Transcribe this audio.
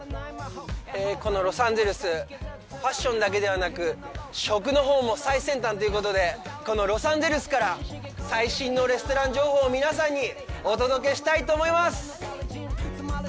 このロサンゼルス、ファッションだけではなく、食のほうも最先端ということで、このロサンゼルスから最新のレストラン情報を皆さんにお届けしたいと思います！